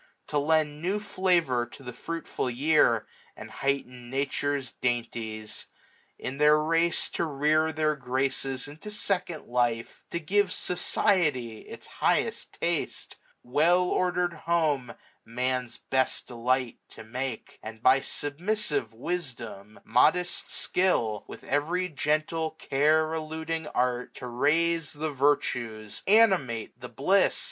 To lend new flavour to the fruitful year, And heighten Nature's dainties ; in their race 600 To rear their graces into second life ; To give Society its highest taste ; Well ordered Home Man's best delight to make j And by submissive wisdom, modest skill. With every gentle care eluding art, 605 To raise the virtues, animate the bliss.